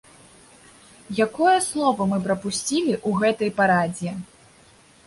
Якое слова мы прапусцілі ў гэтай парадзе?